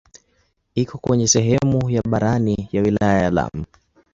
Iko kwenye sehemu ya barani ya wilaya ya Lamu.